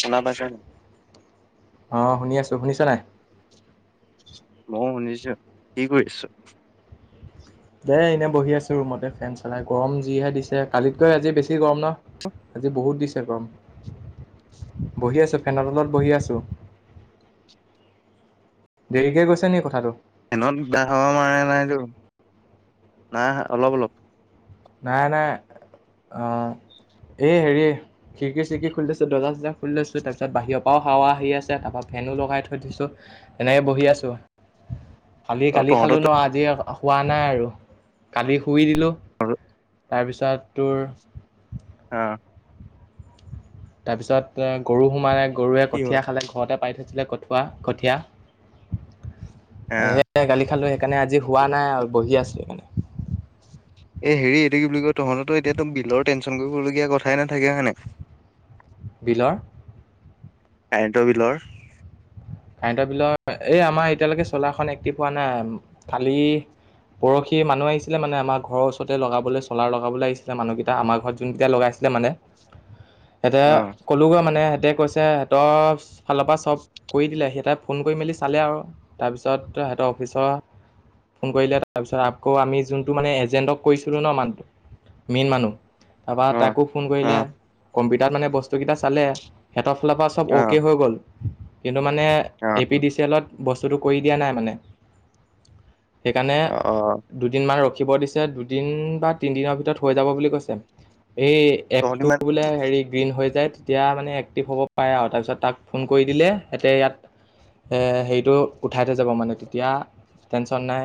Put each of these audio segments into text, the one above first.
শুনা পাইছ অ', শুনি আছো শুনিছ নাই। মই শুনিছো কি কৰিছো। দেই এনে বহি আছো ৰুমতে ফেন চলাই গৰম যিহে দিছে কালিতকৈ আজি বেছি গৰম ন আজি বহুত দিছে গৰম বহি আছো ফেনৰ তলত বহি আছোঁ দেৰিকে গৈছে নি কথাটো [unintelligible] না অলপ অলপ নাই, নাই অ', এই হেৰি খিৰিকি চিৰিকি খুলি লৈছো দৰ্জা চজা খুলি লৈছো তাৰিছত বাহিৰৰ পৰাও হাৱা আহি আ তাৰ হেনো লগাই থৈ দিছো তেনেকে বহি আছো কালি, অ কালি খালো তহঁতৰ ন আজি খোৱা নাই আৰু কালি শুই দিলো অ তাৰপিছত তোৰ আহ, তাৰ পিছত এ গৰু সোমালে গৰুৱে কি হ'ল? কঠিয়া খালে ঘৰতে পাই থৈছিলে কঠুৱ কঠীয়া অ সে গালি খালৈ সেইকাৰণে আজি হোৱা নাই আৰু বহি আছোঁ সেইকাৰণে এ, হেৰি এইটো কি বুলি কয় তহঁতো এতিয়াাতো বিলৰ টেনশচন কৰিবলগীয়া কথাই নাথাকে হয়ানে বিলৰ? কাৰেণ্ট বিলৰ কাৰেণ্টৰ বিলৰ এই আমাৰ এতিয়ালৈকে চলাৰখন এক্টিভ হোৱা নাই কালি পৰহি মানুহ আহিছিলে মানে আমাৰ ঘৰ ওৰতে লগাবলৈ চলাৰ লগাবলৈ আহিছিলে মানুহকেইটা আমাৰ ঘৰত যোনকেইটা লগাইছিল ছিলে মানে সিহঁতে অ ক'লোঁগৈ মানে সিহঁতে কৈছে সিহঁতৰ ফালৰ পৰা চব কৰি দিলে সিহঁতে ফোন কৰি মেলি চালে আৰু তাৰপিছত সিহঁতৰ অফিচৰ ফোন কৰিলে তাৰপিছত আকৌ আমি যোনটো মানে এজেণ্টক কৈছিলো ন মানুহ মেইন মানুহ তাৰপা অ তাকো ফোন অ কৰিলে কম্পিউটাৰত মানে বস্তু কেইটা চালে এৰালৰ পৰা চব অ অ'কে হৈ গ'ল টো মানে অ এ পি ডি চি এলত বস্তুটো কৰি দিয়া নাই মানে সেইকাৰণে অ অ দুদিনমান ৰাখিব দিছে দুদিন বা তিনিদিনৰ ভিতৰত হৈ যাব বুলি কৈছে এই তহঁতি এপটো মানে বোলে হেৰি গ্ৰীণ হৈ যায় এতিয়া মানে এক্টিভ হ'ব পাৰে আৰু তাৰপিছত তাক ফোন কৰি দিলে সিহঁতে ইয়াত হেৰিটো উঠাই থ যাব মানে তেতিয়া টেনশ্যন নাই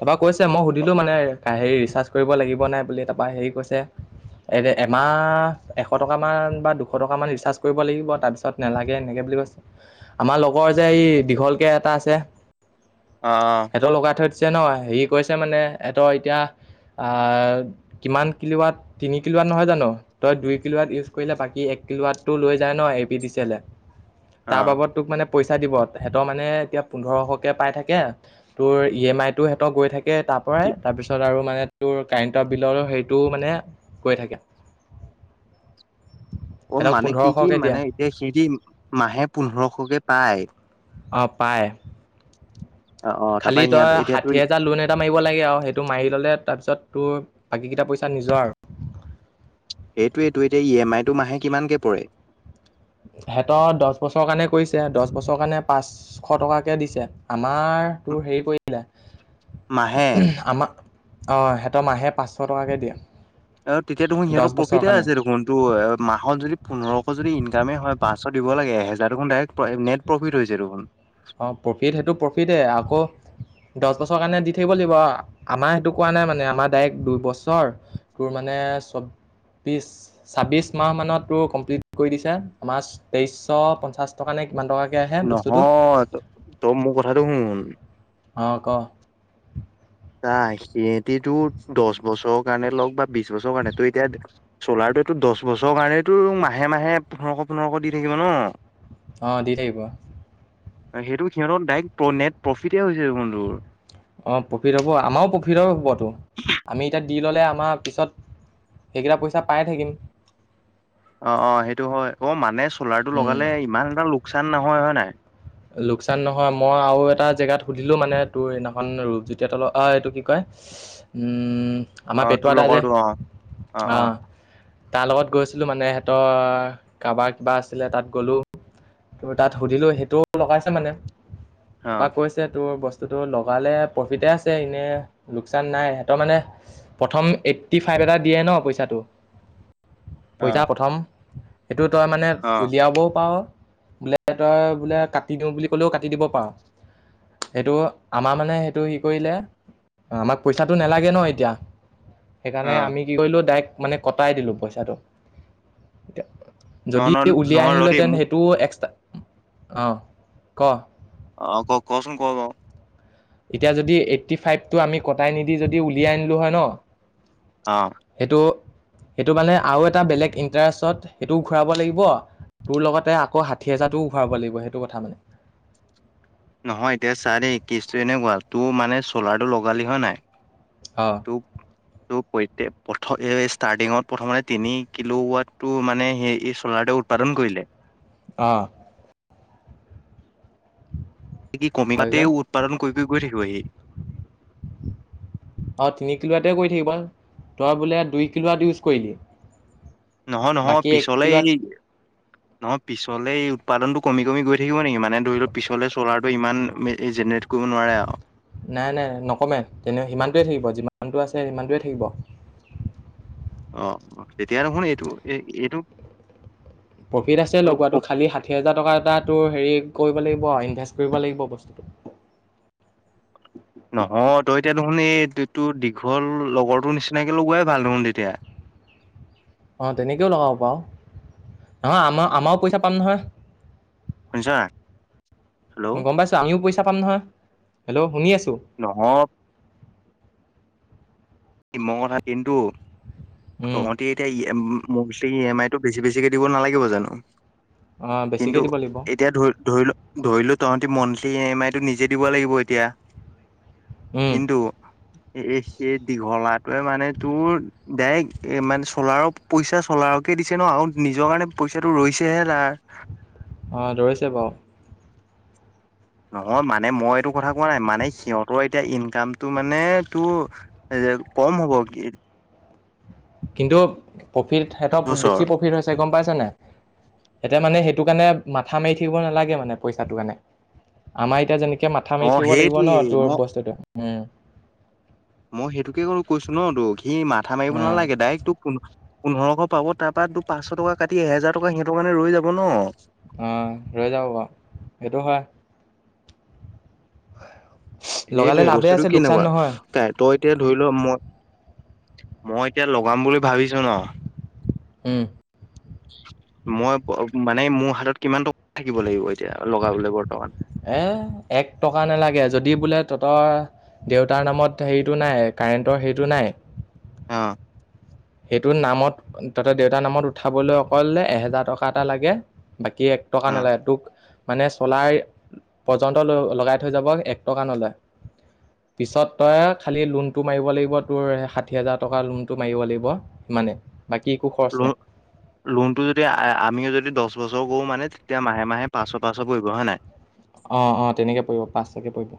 তপ কৈছে মই সুধিলো মানে হেৰি ৰিচাৰ্জ কৰিব লাগিব নাই বুলি তাৰপৰা হেৰি কৈছে। এ- এমাহ এশ টকা মান বা দুশ টকা মান ৰিচাৰ্জ কৰিব লাগিব তাৰপিছত নালাগে এনেকে বুলি কৈছে। আমাৰ লগৰ যে এই দীঘলকে এটা আছে অ সিহতৰ লগাই থৈ। ছে নহয় হেৰি কৈছে মানে এতৰ এতিয়া আহ কিমান কিলাত তিনি কিলাত নহয় জানো তই দুই কিলোৱাত ইউজ কৰিলে বাকী টো লৈ যায় ন A P D C L এ অ তাৰ বাবদ তোক মানে। [unintelligible] পইচা দিব সিহতৰ মানে এতিয়া পোন্ধৰশকে পাই থাকে তোৰ ই এম আই টো সিহতৰ গৈ থাকে। তাৰ পৰাই কি তাৰ পিছত আৰু মানে তোৰ কাৰেণ্টৰ বিললৈ সেইটো মানে গৈ থাকে। অ, সিহঁতক মানে কি - কি পোন্ধৰশকে দিয়ে মানে এতিয়া সেইতি মাহে পোন্ধৰশকে পায়। অ, পায়। অ অ খালি তাৰপৰা সিহঁত তই এতিয়াতো ষাঠি হেজাৰ লোন এটা মাৰিব লাগে আৰু সেইটো মাৰি ললে তাৰপিছত তোৰ বাকীকিতা পইচা নিজৰ আৰু। এইটোয়েটো এতিয়া ই এম আইটো মাহে কিমানকে পৰে? সিহঁতৰ দ'চ বছৰ কাৰণে কৰিছে দ'চ বছৰ কাৰণে পাঁচশ টকাকে দিছে আমাৰ তোৰ হেৰি কৰিলো মাহে আমাৰ অ', সিহঁতৰ মাহে পাঁচশ টকাকে দিয়ে। অ', তেতিয়া দেখোন দহ সিহঁতৰ বছৰৰ প্ৰফিটে কাৰণে আছে দেখোন টো এ মাহত যদি পোন্ধৰ যদি ইনকামে হয় পাঁচশ দিব লাগে, এহেজাৰ দেখোন ডৰেক্ট নেট প্ৰফিট হৈযাই দেখোন। অ, প্ৰফিট সেইটো প্ৰফিতে আকৌ দ'চ বছৰ কাৰণে দি থাকিব লাগিব, আমাৰ সেইটো কৰা নাই মানে আমাৰ ডাইৰেক্ট দুইবছৰ তোৰ মানে মানে চব ছাব্বিছ মাহ মানতোৰ কমপ্লিট কৰি দিছে, আমাৰ তেইছশ পঞ্চাছ টকা নে কিমান টকাকৈ আহে বস্তুটো? নহয় তই মোৰ কথাটো শুন। অ', ক ত সিহেতিটো দশ বছৰৰ কাৰণে লওক বা বিশ বছৰৰ কাৰণে তৈ এতিয়া চ'লাৰটো দশ বছৰৰ কাৰণেতো মাহে মাহে পোন্ধৰশ পোন্ধৰশ দি থাকিব ন? অ', দি থাকিব। সেইটো সিহঁতৰ ডাইৰেক্ট নেট প্ৰফিটে হৈছে দেখুন তোৰ। অ', প্ৰফিট হ'ব আমাৰো প্ৰফিটৰ হ'বতো আমি এতিয়া দি ল'লে আমাৰ পিছত সেইকেইটা পইচা পায় থাকিম। অ', অ', সেইটো হয় অ', মানে চলাৰটো লগালে ইমান এটা লোকচান নহয় হয় নাই? লোকচান নহয় মই আৰু এটা জেগাত সুধিলো মানে তোৰ সেইদিনাখন ৰূপজ্যোতি হতৰ অ, এইটো কি কয়? উম, আমাৰ অ', তোৰ পেটুৱাদা যে লগৰটো অ', অ, তাৰ লগত গৈছিলো মানে সিহঁতৰ কাৰোবাৰ কিবা আছিলে তাত গ'লো। তোৰ তাত সুধিলো সেইটোও লগাইছে মানে তাপা অ', কৈছে তোৰ বস্তু বস্তুটো লগালে প্ৰফিতে আছে এনেই লোকচান নাই সিহঁতৰ মানে প্ৰথম এইটিফাইভ এটা দিয়ে ন পইচাটো অ', পইচা প্ৰথম সেইটো তই মানে অ'। উলিয়াবও পাৰ বোলে তই বোলে কাটি দিওঁ বুলি ক'লেও কাটি দিব পাৰ। সেইটো আমাৰ মানে সেইটো হি কৰিলে আমাক পইচাটো নালাগে ন এতিয়া। সেইকাৰণে অ আমি কি কৰিলো ডাইৰেক্ট মানে কটাই দিলো পইচাটো ন যদি ন উলিয়াই নহয় ৰৰি আনিলেহেঁতেন মোক সেইটো এক্সটা অ', ক। অ', ক কচোন ক ক। এতিয়া যদি এইটটিফাইভটো আমি কটাই নিদি যদি উলিয়াই আনিলো হয় ন। অ সেইটো সেইটো মানে আৰু এটা বেলেগ ইণ্টাৰেষ্টত সেইটো ঘূৰাব লাগিব তোৰ লগতে আকৌ ষাঠি হাজাৰটোও ঘূৰাব লাগিব সেইটো কথা মানে। নহয় এতিয়া চা দেই কেছটো এনেকুৱা তোৰ মানে চলাৰটো লগালি হয় নাই। অ তোক তোৰ প্ৰত্যক প্ৰথ এই ষ্টাৰ্টিঙত প্ৰথমতে তিনি কিলোৱাতটো মানে সেই এই চ'লাৰটো উৎপাদন কৰিলে অ', কি কমি তাৰপিছত তাতেও উৎপাদন কৰি কৰি গৈ থাকিবহি। অ', তিনি কিলোৱাতে কৰি থাকিব তই বোলে দুই কিলো ৱাত ইউজ কৰিলি নহয় নহয় বাকী এক পিছলে কিলোৱাত নহয় পিছলে উৎপাদনটো কমি কমি গৈ থাকিব নেকি মানে ধৰি লও পিছলে চলাৰটো ইমান এ এ জেনেৰেট কৰিব নোৱাৰে আৰু। নাই নাই নকমে তেনে সিমানটোৱে থাকিব যিমানটো আছে সিমানটোৱে থাকিব। [inaudible] অ', তেতিয়া দেখুন এইটো এই এইটো প্ৰফিট আছে লগোৱাটো খালি ষাঠি হাজাৰ টকা এটা তো। হেৰি কৰিব লাগিব ইনভেষ্ট কৰিব লাগিব বস্তুটো। নহয় তই এতিয়া দেখোন এই তো দীঘল লগৰটোৰ নিচিনাকে লগোৱাই ভাল দেখোন তেতিয়া [inaudible] অ, তেনেকেও লগাব পাৰু নহয় আমাৰ আমাৰো পইচা পাম নহয়। শুনিছনে নাই। গম পাইছো আমিও পইচা পাম নহয় হেল্ল', শুনি আছো। নহয় মই কথা দন্তটো উম, তহতি এতিয়া উম, মোৰ ই এম আই টো বেছি বেছিকে দিব নালাগিব জানো। অঁ কিন্তু বেছিকৈ দিব লাগিব এতিয়া ধৰি - ধৰিল - ধৰিলো তহতি মন্থলি ই এম আই টো নিজে দিব লাগিব এতিয়া উম, কিন্তু এ দীঘলা টোৱে মানে তোৰ ডাইৰেক্ট এ মানে চলাৰৰ পইচা চলাৰকে দিছে ন আৰু। নিজৰ কাৰণে পইচাটো ৰৈছেহে তাৰ। অ, ধৰিছে বাৰু। নহয় মানে মই এইটো কথা কোৱা নাই মানে সিহতৰ এতিয়া ইনকামতটো মানে তটো কম হ'ব কি? কিন্তু প্ৰফিট সিহতৰ বছৰ বেছি প্ৰফিট হৈছে গম পাইছেনে এহতিতে মানে সেইটো কাৰণে মাথা মাৰি থাকিব নালাগে মানে পইচাটো কাৰণে আমাৰ এতিয়া যেনে একে মাথা অ মাৰি থিব লাগিব ন সেইটোয়ে তোৰ মই বস্তুটো উম, মই সেইটোকে কৰলো কৈছো ন তোক সি মাথা মাৰিব অঁ নালাগে ডাইৰেক্ট তোক পোন্ধৰশ পাব তাৰপৰা পাচশ টকা কাটি এহেজাৰ টকা সিহতৰ মানে ৰৈ যাব ন। আহ, ৰৈ যাব বাৰু সেইটো হয়। হয় - হয়। সেইটোয়ে বস্তুতটো কেনেকুৱা তাই তই এতিয়া ধৰি লোৱা মই মই এতিয়া লগাম বুলি ভাবিছো ন। হম মই মানে মোৰ হাতত কিমান টকা থাকিব লাগিব এতিয়া লগাবলৈ বৰ্তমান এ- এক টকা নালাগে যদি বোলে তহতৰ দেউতাৰ নামত হেৰিটো নাই এক কাৰেণ্টৰ সেইটো নাই। আহ, সেইটো নামত তহতে দেউতাৰ নামত উঠাবলৈ অক এহেজাৰ টকা এটা লাগে। বাকী এক টকা অ নালাগে তোক মানে চলাই পৰ্যন্ত লগাই থৈ যাব এক টকা নলয়। পিছত তই খালি লোন টো মাৰিব লাগিব তোৰ ষাঠি হাজাৰ টকা লোন টো মাৰিব লাগিব। সিমানে লোন লোনটো যদি আমিও যদি দহ বছৰ কৰো মানে এতিয়া মাহে মাহে পাচশ - পাচশ পৰিব হয় নে নাই। অ - অ তেনেকৈ পৰিব পাচটাকে পৰিব।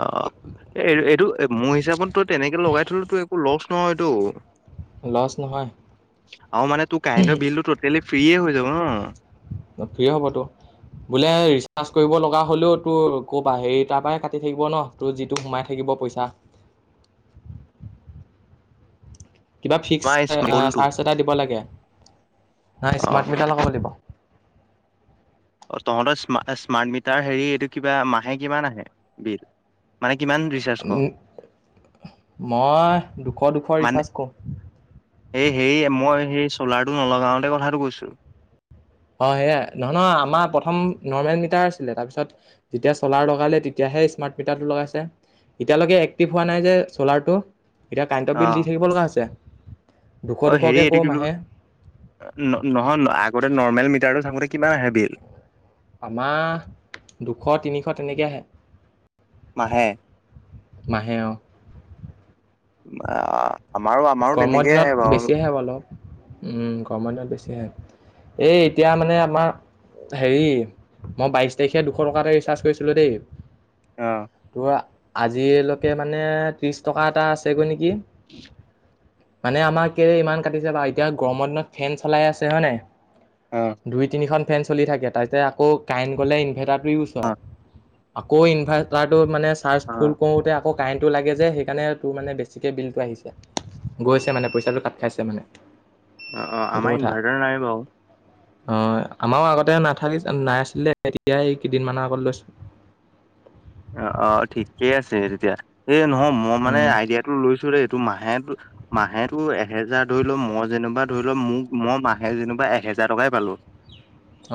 অ'। এই এইটো এইবোৰ লছ নহয়টো লছ নহয় আৰু মানে তোৰ কাৰেণ্টৰ বিল টোটেলি ফ্ৰীয়ে হৈ যাব অ, ফ্ৰি হ'বতো। বোলে ৰিচাৰজ কৰিব লগা হলেও তোৰ ক'বা হেৰি তাৰ পৰা কাটি থাকিব ন তোৰ যিটো সোমাই থাকিব। পইচা কিবা ফিক্স স্মলটো চাৰ্জ এটা দিব লাগে। নাই অ'। স্মাৰ্ট মিটাৰ লগাব লাগিব। অ, তহতৰ্ম স্মাৰ্ট মিটাৰ হেৰি এইটো কিবা মাহে কিমান আহে বিল মানে। কিমান ৰিচাৰ্জ কৰ? মই দুশ - দুশ মানে ৰিচাৰ্জ কৰো। এই হে মই সেই চলাৰটো নলগাওতে কথাটো কৈছো। হয় সেয়াই নহ নহ আমাৰ প্ৰথম নৰ্মেল মিটাৰ আছিলে তাৰপিছত যেতিয়া চলাৰ লগালে তেতিয়া স্মাৰ্ট মিটাৰটো লগাইছে, এতিয়ালৈকে এক্টিভ হোৱা নাই যে চলাৰটো। এতিয়া কাৰেণ্টৰ বিল অ', দি থাকিব লগা আছে। অ হেৰি এইটো কি বুলি, নহয় আগতে নৰ্মেল ম [unintelligible] কিমান হেবিল আমাৰ দুশ তিনিশ তেনেকৈ আহে। মাহে মাহে অ। আমাৰো আমাৰো গৰমৰ তেনেকেই দিনত আহে বেছি বাৰু। আহে অলপ উম গৰমৰ দিনত বেছি আহে, এই এতিয়া মানে আমাৰ হেৰি, মই বাইছ তাৰিখে দুশ টকা এটা ৰিচাৰ্জ কৰিছিলোঁ দেই। অ', তোৰ আজিলৈকে মানে ত্ৰিশ টকা এটা আছেগৈ নেকি? কি মানে আমাকে ইমান কাটিছে নহয়, এতিয়া গৰমৰ দিনত ফেন চলাই আছে হয় নাই। অ'। দুই তিনিখন ফেন চলি থাকে, তাতে আকৌ কাৰেট গলে ইনভাৰ্টাৰ। হয় আকৌ ইনভাৰ্টাৰটো মানে চাৰ্জ ফুল অ', কৰোতে আকৌ কাৰেণ্টটো লাগে যে, সেইকাৰণে তোৰ মানে বেছিকৈ বিলটো আহিছে। গৈছে মানে পইচাটো কাট খাইছে মানে। অ অ সেইটো আমাৰ কথা ইনভাৰ্টাৰ নাই বাৰু। অ আমাৰো আগতে নাথাকিছে নাইছিলে এতিয়াই কেইদিনমানানৰ আগত লৈছো। অ অ ঠিকে আছে তেতিয়া, এই নহয় মই মানে উম আইডিয়া টো লৈছো ৰে ত মাহে মাহেো এহেজাৰ ধৰি লও মই যেনিবা ধৰি লও মোক মই মাহে যেনিবা এহে হেজাৰ টকাই পালো।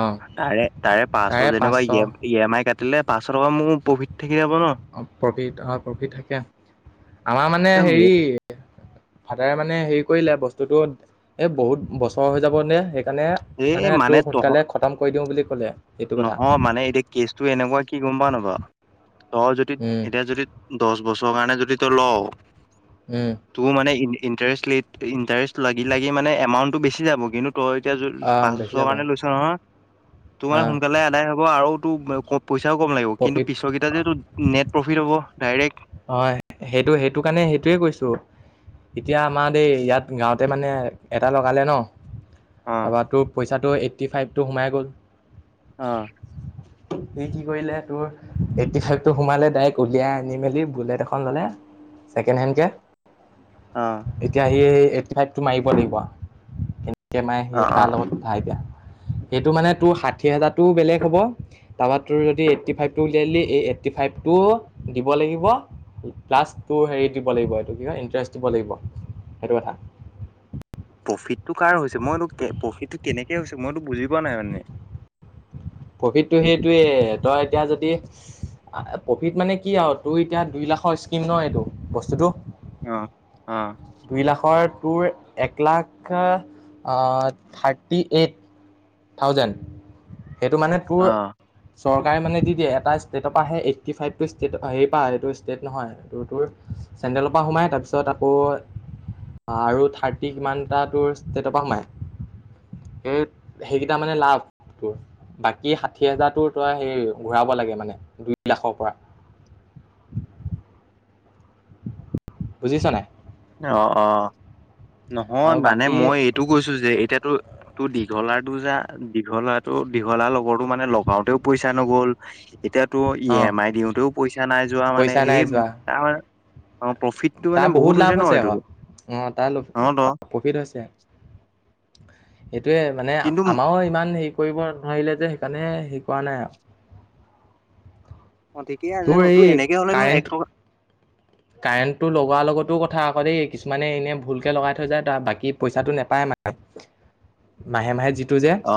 অ তাৰে তাৰে পাঁচশ যেনিবা ই ই এম আই কাটিলে পাঁচশ টকা মোৰ প্ৰফিট। থাকি যাব ন। অ প্ৰফিট হয় প্ৰফিট থাকে আমাৰ মানে এ হেৰি মোক ফাদাৰে মানে হেৰি কৰিলে বস্তু ততো এই বহুত বছৰ হৈ যাবে নে‌, সেইকাৰণে এই মানে তোৰ তহ সোনকালে খতম কৰি দিওঁ বুলি ক নহয় মানে এতিয়া কেচটো এনেকুৱা কি গম পা নাপা? তই যদি উম এতিয়া যদি দছ বছৰৰ কাৰণে যদি তই ল উম তোৰ মানে ইণ্টাৰেষ্ট ইন্টাৰেষ্ট লাগি লাগি মানে এমাউন্টটো বেছি যাব কিন্তু ত এতিয়া য আহ পাঁচ বেছি বছৰ যাব কাৰণে লৈছ নহয় তোমাৰ আহ শু হ'ব আৰুতো পইচাও কম লাগিব, কিন্তু প্ৰফিট পিছকেইটা যেটো নেট প্ৰফিট হ'ব ডাইৰেক্ট। অ সেইটো সেইটো কাৰণে সেইটোোৱে কৈছো। এতিয়া আমাৰ দেই, ইয়াত গাঁৱতে মানে এটা লগালে ন। অ'। তাৰপৰা তোৰ পইচাটো এইটি ফাইভটো সোমাই গ'ল। অ', স কি কৰিলে তোৰ এইটটি ফাইভ টো সোমালে ডাইৰেক্ট উলিয়াই আনি মেলি বুলেট এখন ল'লে, ছেকেণ্ড হেণ্ডকে অ'। এতিয়া সি এইট ফাইভ টো মাৰিব লাগিব, কেনেকে মে অ', স তাৰ অ', লগত উঠাই দিয়া। সেইটো মানে তোৰ ষাঠি হাজাৰতটো বেলেগ হ'ব তাৰপৰা তোৰ যদি এইটটি ফাইভটো উলিয়াই দিলি এ এইট ফটি ফাইভটো দিব লাগিব। প্লাছ টু হেৰি দিব লাগিব এইটো কি হয় ইণ্টাৰেষ্ট দিব লাগিব। হেইটো কথা। প্ৰফিটটো কাৰ হৈছে মইতো প্ৰফিটটো কেনেকে হৈছে মইতো বুজি পোৱা নাই মানে প্ৰকিৃতটো সেইটোৱেই তই এতিয়া যদি প্ৰফিট মানে কি আৰু তোৰ এতিয়া দুই লাখৰ স্কিম ন এইটো বস্তুটো। অ' অ'। দুই লাখৰ টুৰ এক লাখ থাৰ্টি এইট থাউজেণ্ড সেইটো মানে টুৰ অ', চৰকাৰে মানে দি দিয়ে এটা ষ্টেটৰ পৰা আহে এইটি ফাইভ ট ষ্টেট হেপ এইটো ষ্টেট নহয় এইটোটোৰ চেণ্ডেলৰ পৰা সোমাই, তাৰ পিছত আকৌ আৰু থাৰ্টি কিমানটা তোৰ ষ্টেটৰ পৰা সোমাই, সেই সেইকেইটা মানে লাভ। বাকী ষাঠি হাজাৰতটো তই সেই ঘূৰাব লাগে মানে, দুই লাখৰ পৰা। [inaudible] বুজিছ নাই? অ' অ ', নহয় আৰু মানে বাকী মই এইটো কৈছোঁ যে, এতিয়াতো টো দি ডলৰটো যা দীঘলাটো, দীঘলাৰ লগৰো মানে লগাওঁতেও পইচা নগ'ল এতিয়াাতো ই অ এম আই দিওঁতেও পইচা নাই যোৱা মানে পইচা নাই সেই যোৱা তাৰ প্ৰফিটটো মানে বহুত লাভ ন হৈছে এইটো আকৌ, অ তাৰ তহঁতৰ প্ৰফিট হৈছে। এইটোৱে মানে কিন্তু আমাৰও ইমান হেৰি কৰিব নোৱাৰিলে যে সেইকাৰণে পোৱা নাই আৰু অ ঠিকেই আছে ন, তোৰ এনেকে হলে ন এক কাৰেণ্ট টকা কাৰেণ্টটো লগোৱাৰ লগতো কথা আকৌ দেই, কিছুমানে এনে ভুলকে লগাই থৈ যায় বাকী পইচাটো নেপায় মানে মাহে মাহে যিটো যে অ।